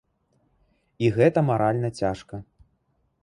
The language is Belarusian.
І гэта маральна цяжка.